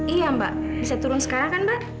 iya mbak bisa turun sekarang kan mbak